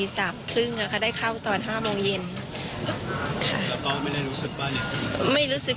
สามครึ่งอะค่ะได้เข้าตอนห้าโมงเย็นค่ะไม่รู้สึก